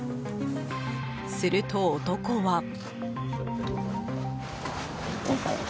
すると男は。